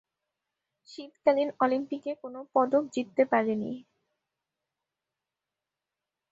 শীতকালীন অলিম্পিকে কোন পদক জিততে পারেনি।